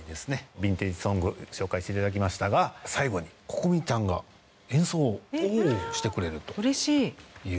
ヴィンテージ・ソング紹介して頂きましたが最後にＣｏｃｏｍｉちゃんが演奏してくれるという。